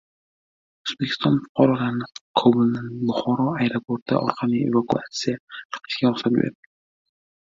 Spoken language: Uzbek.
O‘zbekiston fuqarolarni Kobuldan Buxoro aeroporti orqali evakuasiya qilishga ruxsat berdi